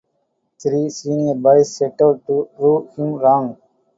Three senior boys set out to prove him wrong.